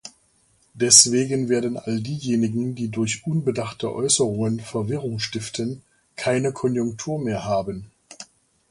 Deswegen werden all diejenigen, die durch unbedachte Äußerungen Verwirrung stiften, keine Konjunktur mehr haben.